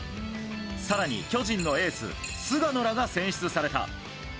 更に、巨人のエース菅野らが選出された。